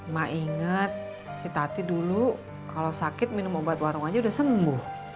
ma inget si tati dulu kalo sakit minum obat warung aja udah sembuh